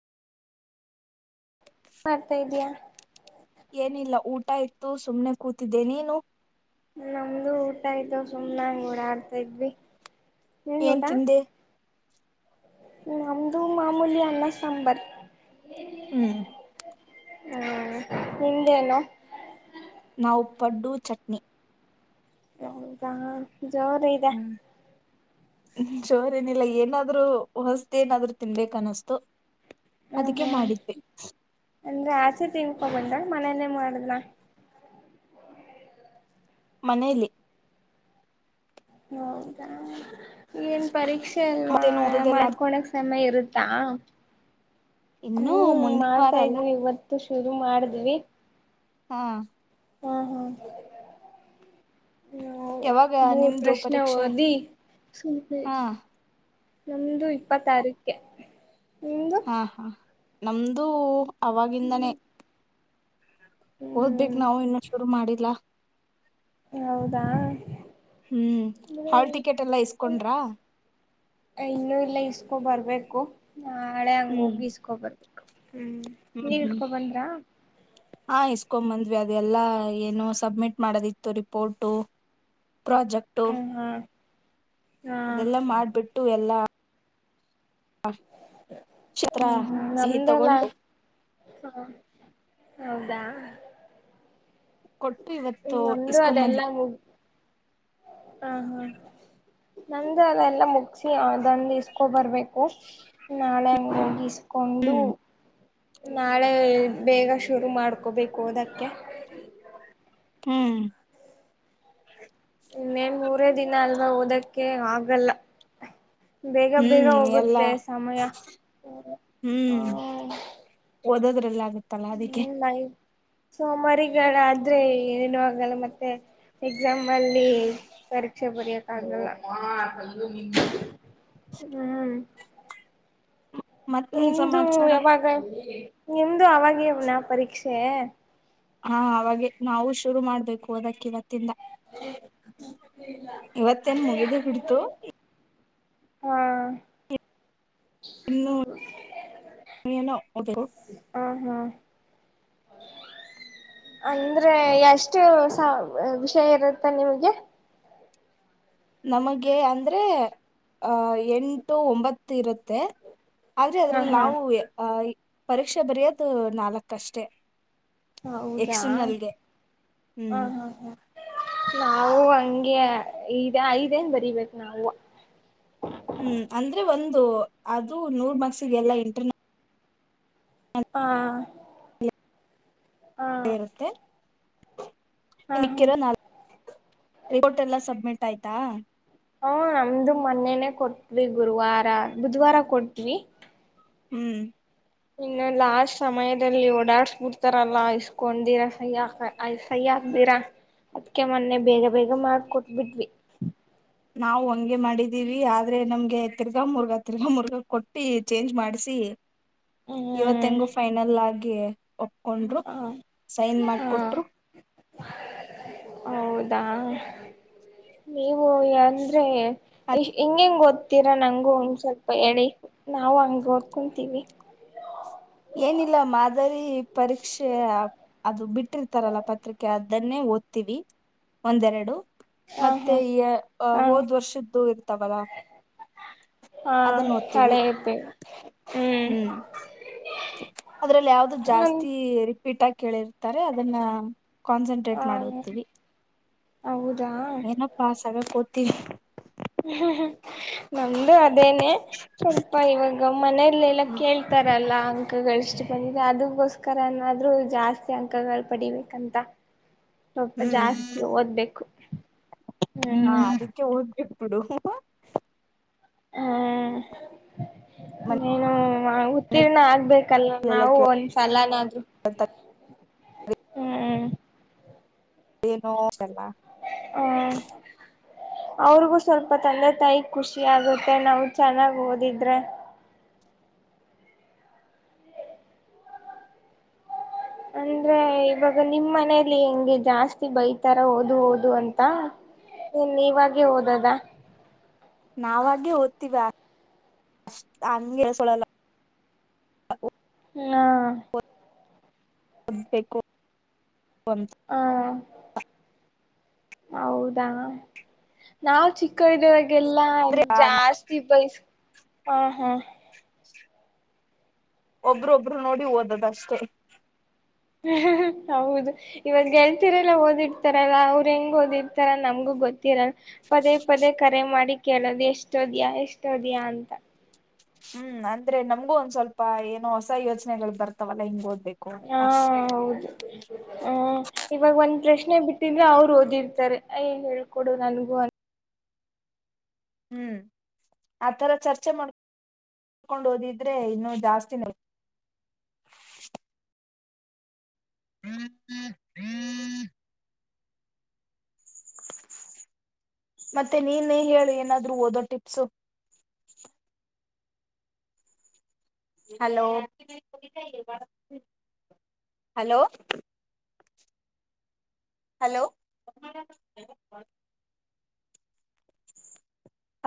ಮಾಡ್ತಾ ಇದೀಯಾ ಏನಿಲ್ಲ ಊಟ ಆಯಿತು ತು ಸುಮ್ನೆ ಕುತ್ತಿದೆ ನೀನು ನಮ್ದು ಊಟ ಆಯ್ತು ಸುಮ್ನ ಹಂಗೆ ಓಡಾಡ್ತ ಇದ್ವಿ ನಿಂದ್ ಏನ್ ಊಟ ತಿಂದೆ. ನಮ್ದು ಮಾಮೂಲಿ ಅನ್ನ ಸಾರು ಸಾಂಬಾರ ಹ್ಮ್. ಹ್ಮ್ ನಿಂದೇನು. ನಾವು ಪಡ್ಡು ಚಟ್ನಿ ನಂದ ಜೋರ ಇದೆ. ಜೋರ ಏನಿಲ್ಲ ಏನಾದ್ರು ಹೊಸ್ತ ಏನಾದ್ರು ತಿನ್ಬೇಕ ಅನ್ಸುತು. ಹ ಹ್ಮ ಅಂದ್ರೆ ಆಚೆ ತಿನ್ನಕೊಂಡ ಬಂದ್ರ. ಮನೇಲಿ ಮಾಡಿದೆ ಮನೇಲಿ. ಹೌದಾ. ಏನ್ ಪರೀಕ್ಷೆ ಅಲ್ವಾ ಮತ್ತೇನು ಓದದೆಲ್ಲ ಮಾಡ್ಕೊಳಕ್ ಸಮಯ ಇರುತ್ತೆ ಹಾ ಇನ್ನು ಹ್ಮ್ ಮುಂದಿನ ವಾರ ಮಾಡ್ತಾ ಅಲ್ಲ ಇದ್ವಿ ಇವತ್ತು ಶುರು ಮಾಡಿದ್ವಿ. ಹಾ. ಹ್ಮ ಹಾ. ಯಾವಾಗ ಮೂರ್ ನಿಮ್ದು ಪ್ರಶ್ನೆ ಪರೀಕ್ಷೆ ಓದಿ ಸುಮ್ನೆ ಹಾ. ನಮ್ದು ಇಪ್ಪತ್ತಾರಕ್ಕೆ. ನಿಮ್ದು ಹಾ ಹಾ ನಮ್ದು. ಅವಾಗಿಂದನೇ. ಓದ್ಬೇಕ ಹ್ಮ್ ನಾವು ಇನ್ನುೂ ಶುರು ಮಾಡಿಲ್ಲಾ. ಹೌದಾ ಹ್ಮ್ ಹಾಲ್ ಟಿಕೆಟ್ ಎಲ್ಲ ಇಸ್ಕೊಂಡ್ರಾ. ಇನ್ನು ಇಲ್ಲ ಇಸ್ಕೊಂಡು ಬರ್ಬೇಕು. ನ ನಾಳೆ ಹಂಗ ಹ್ಮ್ ಹೋಗಿ ಈಸ್ಕೊಂಡು ಬರ್ತೇನಿ. ಹ್ಮ್ ಹ್ಮ್ ನೀವು ಹ್ಮ್ ಇಸ್ಕೊಂಡು ಬಂದ್ರಾ. ಹಾ ಇಸ್ಕೊಂಡ್ ಬಂದ್ವಿ ಅದೆಲ್ಲಾ ಏನು ಸಬ್ಮಿಟ್ ಮಾಡೋದಿತ್ತು ರಿಪೋರ್ಟು. ಪ್ರಾಜೆಕ್ಟ್ ಹ್ಮ್ ಹಾ ಹಾ ಅದೆಲ್ಲಾ ಮಾಡ್ಬಿಟ್ಟು ಎಲ್ಲಾ. ಚಿತ್ರ ಹ್ಮ್ ಹ್ಮ್ ಸಿಹಿ ನಮ್ದಲ್ಲ ತಗೊಂಡು ಹ ಹೌದಾ ಕೊಟ್ಟು ಹ್ಮ ಇವತ್ತು ನಮ್ದು ಇಸ್ಕೊಂಬಂದ್ವಿ. ಅದೆಲ್ಲಾ ಮುಗಿದಿದೆ ಹಾ ಹ ನಂದ್ದ ಅದೆಲ್ಲ ಮುಗಸಿ ಅದಂದು ಇಸ್ಕೊ ಬರ್ಬೇಕು ನಾಳೆ ಹಂಗ ಹೋಗಿ ಇಸ್.... ಒಂದು ಹ್ಮ್ ನಾಳೆ ಬೇಗ ಶುರು ಮಾಡು. ಹೋಗ್ಬೇಕು ಓದಾಕೆ ಹ್ಮ್. ಇನ್ನೇನ್ ಮೂರೇ ದಿನ ಅಲ್ವಾ ಓದಕ್ಕೆ ಆಗಲ್ಲ. ಬೇಗ ಬೇಗ ಹ್ಮ್ ಎಲ್ಲಾ ಹೋಗುತ್ತೆ ಸಮಯ ಹ. ಓದದ್ರಲ್ಲಿ ಆ ತಲಾದಿಗೆ ಸೋಮಾರಿಗಾದ್ರೆ ಏನು ಆಗಲ್ಲ ಮತ್ತೆ ಎಕ್ಸಾಮ ಅಲ್ಲಿ ಪರೀಕ್ಷೆ ಬರೆಯಕ್ ಆಗಲ್ಲ ಹ್ಮ್ ಮತ್ತೇನ್ ನಿಮ್ದು ಸಮಾಚಾರ ಯಾವಾಗ ನಿಮ್ದು ಆವಾಗೇನಾ ಪರೀಕ್ಷೆ ಹಾ ಅವಾಗೆ ನಾವು ಶುರು ಮಾಡ್ಬೇಕು ಓದಕ್ಕೆ ಇವತ್ತು. ಇಂದ ಇವತ್ತೇನ್ ಮುಗಿದೇ ಬಿಟ್ಟಿತು ಹಾ. ಇನ್ನು ಏನೋ ಓಡ್ಬೇಕು ಹ ಹಾ ಅಂದ್ರೆ ಎಷ್ಟು ವಿಷಯ ಇರುತ್ತ ನಿಮ್ಗೆ ನಮಗೆ ಅಂದ್ರೆ ಅಹ ಎಂಟು ಒಂಬತ್ತು ಇರುತ್ತೆ ಹ ಆದ್ರೆ ಹ ಅದ್ರಲ್ಲಿ ಹಾ ನಾವು ಆಹ ಪರೀಕ್ಷೆ ಬರೆಯೋದು ನಾಲ್ಕಷ್ಟೆ. ಹೌದಾ ಹ ಹ್ಮ್ ಹಾ ಹ ನವು. ನಂಗೆ ಐದೆನ್ ಬರಿಬೇಕು ನಾವು ಹ್ಮ್ ಅಂದ್ರೆ ಒಂದು ಅದು ನೂರ್ ಮಾರ್ಕ್ಸಿಗೆ ಎಲ್ಲ ಇಂಟರ್ನಲ್.. ಹಾ ಹಾ ಏನಂತೆ ಹಾ ಹಾ ಮಿಕ್ಕಿರೋ ನಾಲ್ಕು ರಿಪೋರ್ಟ್ ಎಲ್ಲ ಸಬ್ಮಿಟ್. ಊಟ ಆಯ್ತಾ ಹಾ ನಮ್ದು ಮೊನ್ನೆನೆೇ ಕೊಟ್ವಿ ಗುರುವಾರ ಬುಧ್ವಾರ ಕೊಡ್ತೀವಿ ಹ್ಮ್ ಇನ್ನು ಲಾಸ್ಟ್ ಸಮಯದಲ್ಲಿ ಓಡಾಡ್ಸ್ಬಿಡ್ತಾರಲ್ಲ ಇಸ್ಕೊಳ್ಳದೆ ಸಹಿ ಹಾಕ ಸಹಿಹಾಕ್ದಿರಾ ಅದ್ಕ ಮೊನ್ನೆ ಬೇಗ ಬೇಗ ಮಾಡಿಕೊಟ್ಟಿದ್ವಿ ನಾವು ಹಂಗೆ ಮಾಡಿದೀವಿ ಆದ್ರೆ ನಮ್ಗೆ ತಿರ್ಗಾ ಮುರ್ಗಾ ತಿರ್ಗಾ ಮುರ್ಗಾ ಕೊಟ್ಟ... ಈ ಚೇಂಜ್ ಮಾಡ್ಸಿ ಇವತ್ತ ಹ್ಮ್ ಹೆಂಗು ಫೈನಲ್ ಆಗಿ ಎಯೇ ಒಪ್ಕೊಂಡ್ರು ಹ ಸೈನ್ ಹಾ ಮಾಡಿಕೊಟ್ರು. ಹೌದಾ ನೀವು. ನೀವು ಅಂದ್ರೆ ಅದ್ ಹಿಂಗ ಹೆಂಗ್ ಗೊತ್ತ್. ತೀರ ನಂಗು ಒಂದ್ ಸ್ವಲ್ಪ ಹೇಳಿ ನಾವು ಹಂಗ ಓದ್ಕೊಂತೀವಿ. ಏನಿಲ್ಲ ಮಾದರಿ ಪರೀಕ್ಷೆ ಅದು ಬಿಟ್ಟಿರ್ತಾರಲ್ಲ ಪತ್ರಿಕೆ ಅದನ್ನೇ ಓದ್ತೀವಿ ಒಂದೆರಡು. ಹಾ ಮತ್ತೆ ಹಾ ಈ ಹಾ ಹೋದ್ ವರ್ಷದ್ದು ಇರ್ತಾವಲ್ಲ ಹಾ ಅದನ್ನ ಓದ್ತೀವಿ. ಹಳೆಯದ್ದೆ ಹ್ಮ್ ಅದ್ರಲ್ಲಿ ಯಾವ್ದ ನನ್ ಜಾಸ್ತಿ. ರಿಪೀಟ್ ಕೇಳಿರ್ತಾರೆ ಅದನ್ನ. ಕಾನ್ಸಂಟ್ರೇಟ್ ಮಾಡುತ್ತೀವಿ. ಹೌದು [inaudible] ಏನ ಪಾಸಾಗಕೊ ತ್ತಿ ಹ್ಮ್ ಹ ನಮ್ದು ಅದೇನೆ ಸ್ವಲ್ಪ ಇವಾಗ ಮನೇಲೆಲ್ಲ ಕೇಳ್ತಾರಲ್ಲ. ಅಂಕಗಳ ಇಷ್ಟು ಬಂದಿದೆ ಅದಕ್ಕೋಸ್ಕರನ್ನಾದ್ರು ಜಾಸ್ತಿ ಅಂಕಗಳು ಪಡಿಬೇಕಂತ ಸ್ವಲ್ಪ ಜಾಸ್ತಿ ಓದ್ಬೇಕು ಹಾ ಹ್ಮ್ ಅದಕ್ಕೆ [unintelligible] ಹ್ಮ್ ಏನು ಮನೆಲೆಲ್ಲ ಉತ್ತೀರ್ಣ ಆಗ್ಬೇಕಲ್ಲ ನಾವು ಒಂದ್ ಸಲನಾದ್ರು ಕೇಳ್ತಾರೆ ಹ್ಮ್ ಏನೋ [unintelligible] ಹ್ಮ ಅವ್ರಿಗೂ ಸ್ವಲ್ಪ ತಂದೆ ತಾಯಿ ಖುಷಿ ಆಗುತ್ತೆ ನಾವು ಚೆನ್ನಾಗ್ ಓದಿದ್ರೆ. ಅಂದ್ರೆ ಇವಾಗ ನಿಮ್ ಮನೇಲಿ ಹೆಂಗೆ ಜಾಸ್ತಿ ಬೈತಾರ ಓದು ಓದು ಅಂತ ಇನ್ ಇವಾಗೆ ಓದದ ನಾವಾಗೆ ಓದ್ತಿೀ ಷ್ಟ ಆಲ್ಲ ಸೋಳ ಹ್ಮ ಹ ಬೇಕ ಹ ಹೌದಾ ನಾ್ ಚಿಕ್ಕ ವ್ದ ಗೆಲ್ಲ ಅಂದ್ರೆ ಜಾಸ್ತಿ ಪೈಸ್ ಹಾ ಹಾ ಒಬ್ರೊಬ್ರು ನೋಡಿ ಓದದಷ್ಟೆ ಹೌದು ಇವಾಗ ಗೆಳ್ತಿರಲ್ಲ ಓದಿಡ್ತಾರಲ್ಲ ಅವ್ರ ಹೆಂಗ್ ಓದಿರ್ತಾರ ನಮ್ಗೂ ಗೊತ್ತಿರಲ್ಲ ಪದೇ ಪದೇ ಕರೆ ಮಾಡಿ ಕೇಳೋದು್ ಎಷ್ಟೋದ್ಯಾ ಎಷ್ಟೋದ್ಯಾ ಅಂತ ಹ್ಮ್ ಅಂದ್ರೆ ನಮ್ಗೂ ಒಂದ್ ಸ್ವಲ್ಪ ಏನೋ ಹೊಸ ಯೋಚನೆಗಳು ಬರ್ತಾವಲ್ಲಾ ಹಿಂಗೋದ್ ಹಾ ಹೌದು ಹ್ಮ ಇವಾಗ ಒಂದ್ ಪ್ರಶ್ನ ಪ್ರಶ್ನೆ ಬಿಟ್ಟಿದ್ರೆ ಅವ್ರು ಓದಿರ್ತಾರೆ ಯಏನ್ ಹೇಳ್ಕೊಡು ನನ್ಗೂ ಅಂತ ಹ್ಮ್ ಆತರ ಚರ್ಚೆ ಮಾಡ್ಕೊಂಡ್ ಓದಿದ್ರೆ ಇನ್ನು ಜಾಸ್ತಿನ ಹ್ಮ್ ಹ್ಮ್ ಮತ್ತೆ ನೀನೇ ಹೇಳು ಏನಾದ್ರು ಓದೋ ಟಿಪ್ಸು ಹಲೋ ಹಲೋ ಹಲೋ